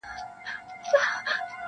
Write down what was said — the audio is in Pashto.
د سکندر او رکسانې یې سره څه,